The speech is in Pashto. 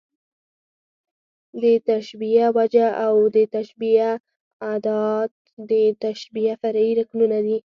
د تشبېه وجه او د تشبېه ادات، د تشبېه فرعي رکنونه دي.